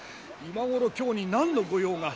今頃京に何の御用が？